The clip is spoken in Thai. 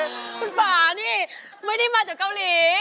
คุณป่านี่ไม่ได้มาจากเกาหลี